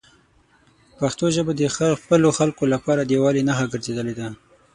پښتو ژبه د خپلو خلکو لپاره د یووالي نښه ګرځېدلې ده.